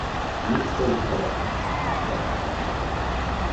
Весь стол в салате! и сахар просыпан!